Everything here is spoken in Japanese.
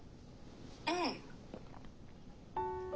うん。